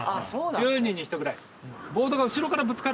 １０人に１人ぐらい。